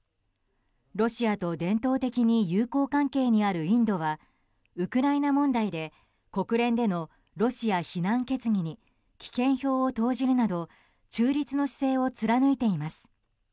ロシアと伝統的に友好関係にあるインドはウクライナ問題で国連でのロシア非難決議に棄権票を投じるなど中立の姿勢を貫いています。